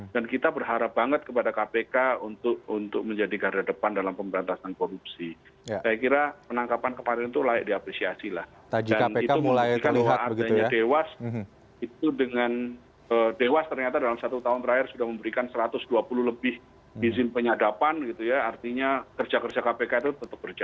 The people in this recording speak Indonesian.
dan kita berharap banget kpk masih ada di ujung